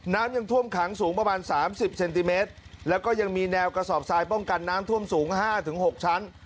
น้ำยังท่วมขังสูงประมาณสามสิบเซนติเมตรแล้วก็ยังมีแนวกระสอบทรายป้องกันน้ำท่วมสูง๕๖ชั้น